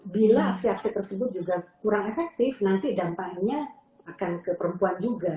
bila aksi aksi tersebut juga kurang efektif nanti dampaknya akan ke perempuan juga